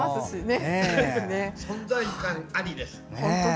存在感ありです。